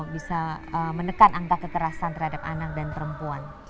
bisa menekan angka kekerasan terhadap anak dan perempuan